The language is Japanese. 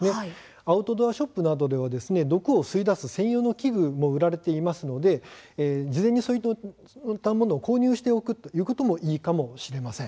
アウトドアショップなどでは毒を吸い出す専用の器具も売られていますので事前にそういったものを購入しておくというのもいいかもしれません。